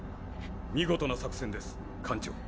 見事な作戦です艦長。